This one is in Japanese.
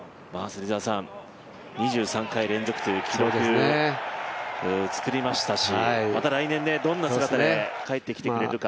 ２３回連続という記録、作りましたしまた来年どんな姿で帰ってきてくれるか。